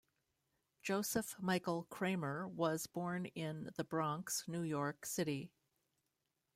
Joseph Michael Kramer was born in The Bronx, New York City.